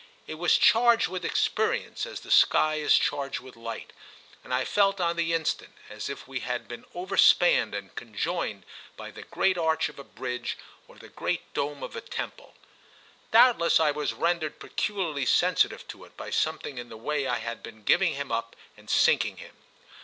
It was charged with experience as the sky is charged with light, and I felt on the instant as if we had been overspanned and conjoined by the great arch of a bridge or the great dome of a temple. Doubtless I was rendered peculiarly sensitive to it by something in the way I had been giving him up and sinking him.